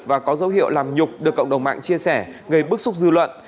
và có dấu hiệu làm nhục được cộng đồng mạng chia sẻ gây bức xúc dư luận